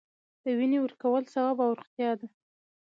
د وینې ورکول ثواب او روغتیا ده